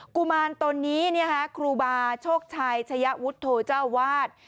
กุมารตนนี้ครูบาโชคชัยชะยะวุฒโธเจ้าวาด